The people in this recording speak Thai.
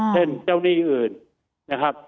เช่นเจ้าหนี้อื่นนะครับ